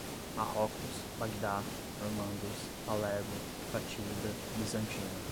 Marrocos, Bagdá, normandos, Palermo, Fatímida, bizantina